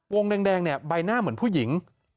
แดงเนี่ยใบหน้าเหมือนผู้หญิง